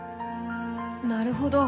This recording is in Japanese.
なるほど。